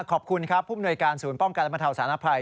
ขอบคุณครับผู้มนวยการศูนย์ป้องกันและบรรเทาสารภัย